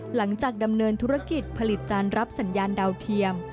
หลังจากดำเนินธุรกิจผลิตจารย์รับสัญญาณดาวเทียม